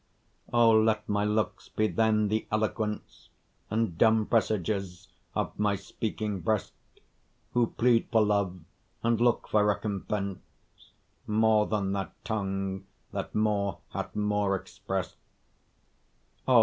O! let my looks be then the eloquence And dumb presagers of my speaking breast, Who plead for love, and look for recompense, More than that tongue that more hath more express'd. O!